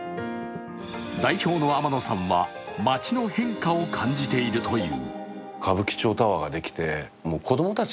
代表の天野さんは街の変化を感じているという。